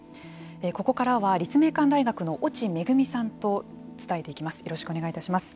ここからは立命館大学の越智萌さんと伝えていきます。